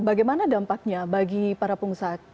bagaimana dampaknya bagi para pengusaha